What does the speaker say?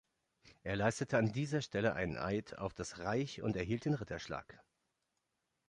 Er leistete an dieser Stelle einen Eid auf das Reich und erhielt den Ritterschlag.